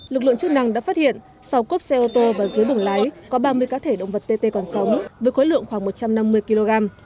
lực lượng chức năng đã phát hiện sau cốp xe ô tô và dưới bùng lái có ba mươi cá thể động vật tt còn sống với khối lượng khoảng một trăm năm mươi kg